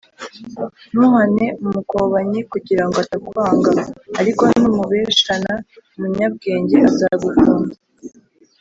ntuhane umukobanyi kugira ngo atakwanga, ariko numbershana umunyabwenge azagukunda